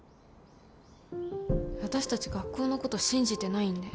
私たち学校のこと信じてないんで。